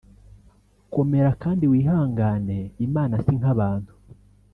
Komera kandi wihangane Imana si nk’abantu